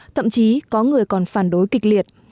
thậm chí có người còn phản đối kịch liệt